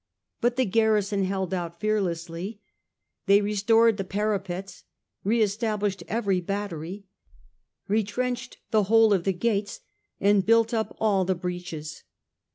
But the garrison held out fearlessly ; they restored the para pets, re established every battery, re trenched the whole of the gates, and built up all the breaches.